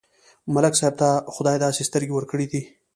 ملک صاحب ته خدای داسې سترګې ورکړې دي،